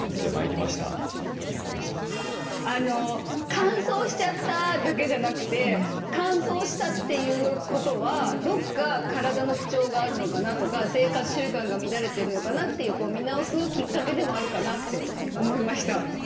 乾燥しちゃっただけじゃなくて乾燥したということはどっか体の不調があるのかなとか生活習慣が乱れてるのかなという見直すきっかけでもあるかなって思いました。